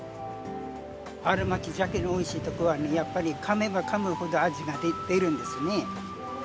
新巻鮭のおいしいところは、やっぱり、かめばかむほど味が出るんですね。